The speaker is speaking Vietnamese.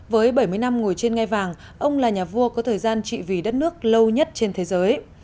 với bảy mươi năm ngồi trên ngay vàng ông là nhà vua có thời gian trị vì đất nước lâu nhất trên thế giới